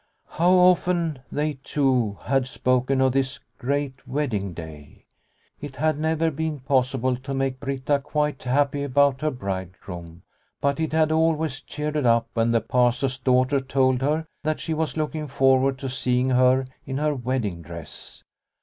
How often they two had spoken of this great wedding day ! It had never been possible to make Britta quite happy about her bridegroom, but it had always cheered her up when the Pastor's daughter told her that she was looking forward to seeing her in her wedding dress.